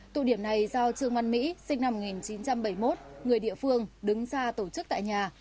tụ điểm này do trương văn mỹ sinh năm một nghìn chín trăm bảy mươi một người địa phương đứng ra tổ chức tại nhà